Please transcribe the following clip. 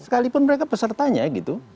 walaupun mereka pesertanya gitu